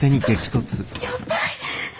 やばい！